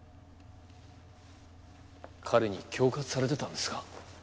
彼に恐喝されてたんですか？